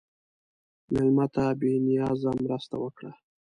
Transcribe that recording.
مېلمه ته بې نیازه مرسته وکړه.